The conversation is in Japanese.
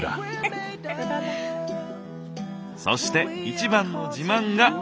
そして一番の自慢が。